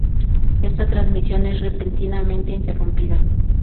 Esta transmisión es repentinamente interrumpida.